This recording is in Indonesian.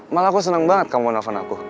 malah aku seneng banget kamu mau telepon aku